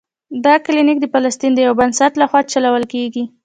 دا کلینک د فلسطین د یو بنسټ له خوا چلول کیږي.